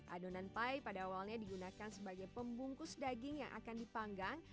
adonan pie pada awalnya digunakan sebagai pembungkus daging yang akan dipanggang